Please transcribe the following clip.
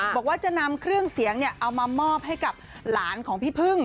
บอกว่าจะนำเครื่องเสียงเอามามอบให้กับหลานของพี่พึ่ง